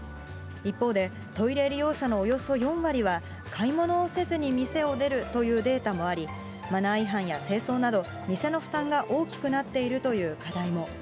一方で、トイレ利用者のおよそ４割は、買い物をせずに店を出るというデータもあり、マナー違反や清掃など、店の負担が大きくなっているという課題も。